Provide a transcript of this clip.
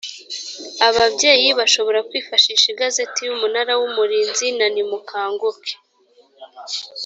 ababyeyi bashobora kwifashisha igazeti y umunara w umurinzi na nimukanguke